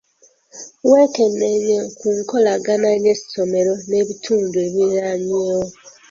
Wekennenya ku nkolagana y'essomero n'ebitundu ebiriraanyeewo.